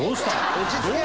落ち着け。